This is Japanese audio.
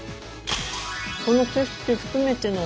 この景色含めての。